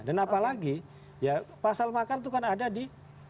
dan apalagi pasal makar itu kan ada di